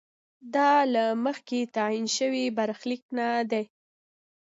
دا له مخکې تعین شوی برخلیک نه دی.